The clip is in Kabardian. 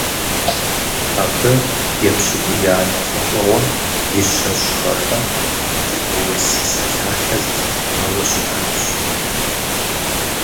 Абы епщыкӀуиянэ лӀэщӀыгъуэм и щэщӀ гъэхэм «Адыгэ-урыс псалъалъэ» зэхилъхьауэ щытащ.